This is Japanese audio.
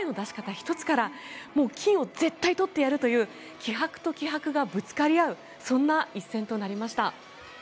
１つから金を絶対取ってやるという気迫と気迫がぶつかり合うそんな一戦となりました。